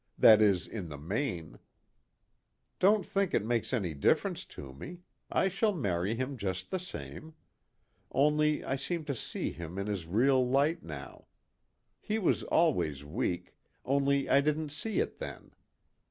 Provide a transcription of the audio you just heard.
That is, in the main. Don't think it makes any difference to me. I shall marry him just the same. Only I seem to see him in his real light now. He was always weak, only I didn't see it then.